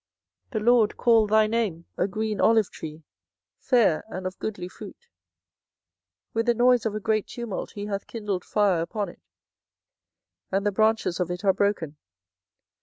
24:011:016 The LORD called thy name, A green olive tree, fair, and of goodly fruit: with the noise of a great tumult he hath kindled fire upon it, and the branches of it are broken.